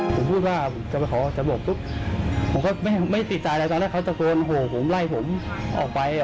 และแม่งว่าเราทำอย่างเรื่องที่ปานที่จะการให้ควารเชื่อใต้ใจ